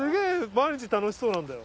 毎日楽しそうなんだよ。